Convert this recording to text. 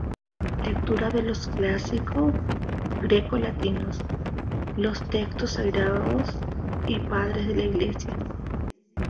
Lectura de los clásicos grecolatinos, los textos sagrados y padres de la Iglesia.